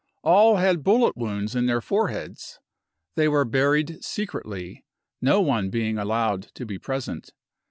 All had bullet wounds in their foreheads. They were buried secretly, no one being allowed to be present.